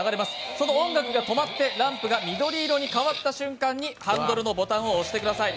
その音楽が止まってランプが緑色に変わった瞬間にハンドルのボタンを押してください。